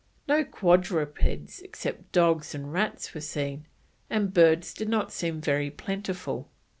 No quadrupeds except dogs and rats were seen, and birds did not seem very plentiful.